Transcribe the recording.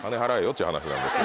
っちゅう話なんです。